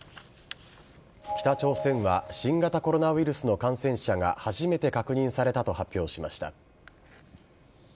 北朝鮮は新型コロナウイルスの感染者が初めて確認されたと発表しました。